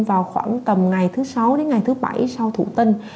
vào khoảng tầm ngày thứ sáu đến ngày thứ bảy sau thụ tinh